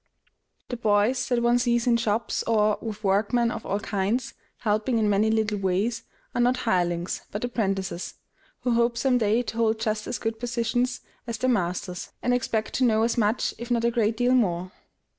The boys that one sees in shops, or, with workmen of all kinds, helping in many little ways, are not hirelings, but apprentices, who hope some day to hold just as good positions as their masters, and expect to know as much, if not a great deal more.